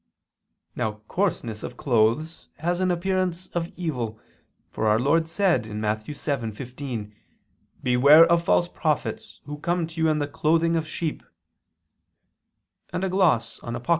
Now coarseness of clothes has an appearance of evil; for our Lord said (Matt. 7:15): "Beware of false prophets who come to you in the clothing of sheep": and a gloss on Apoc.